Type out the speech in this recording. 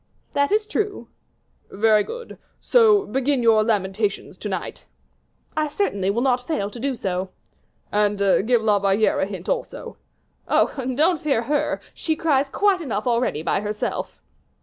"That is true." "Very good, so begin your lamentations to night." "I certainly will not fail to do so." "And give La Valliere a hint also." "Oh! don't fear her, she cries quite enough already to herself."